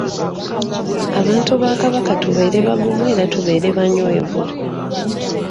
Abantu ba Kabaka tubeere bagumu era tubeere banywevu.